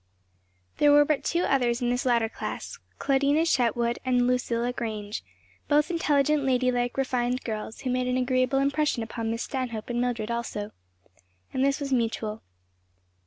There were but two others in this latter class; Claudina Chetwood and Lucilla Grange; both intelligent, lady like, refined girls, who made an agreeable impression upon Miss Stanhope and Mildred also. And this was mutual.